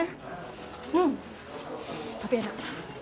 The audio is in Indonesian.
hmm tapi enak